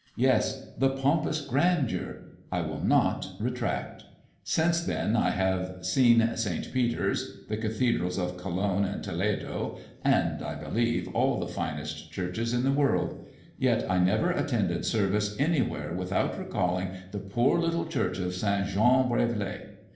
Yes, the "pompous grandeur," I will not retract. Since then I have seen St. Peter's, the cathedrals of Cologne and Toledo, and, I believe, all the finest churches in the world; yet I never attended service anywhere without recalling the poor little church of St. Jean Brévelay.